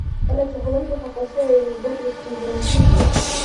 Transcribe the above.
کله چې ښوونکي خفه شوي وي، زده کړې ستونزمنې کیږي.